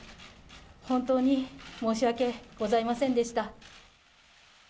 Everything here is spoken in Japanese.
本当に申し訳ございませんでした。